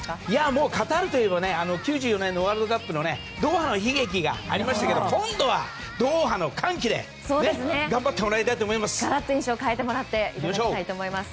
もうカタールといえば９４年のワールドカップのドーハの悲劇がありましたけど今度はドーハの歓喜で頑張ってもらいたいと思います。